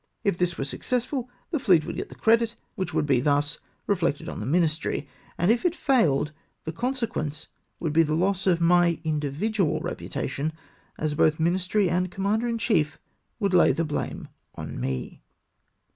If this were suc cessful, the fleet would get the credit, which would be thus reflected on the ministry; and if it failed, the consequence would be the loss of my individual reputation, as both ministry and commander in chief would lay the blame on me.